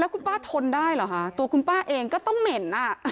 คุณป้าทนได้เหรอคะตัวคุณป้าเองก็ต้องเหม็น